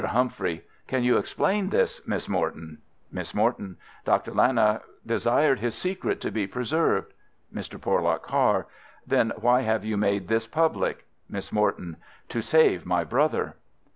Humphrey: Can you explain this, Miss Morton? Miss Morton: Dr. Lana desired his secret to be preserved. Mr. Porlock Carr: Then why have you made this public? Miss Morton: To save my brother.